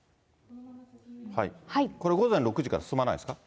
これ、午前６時から進まないですか。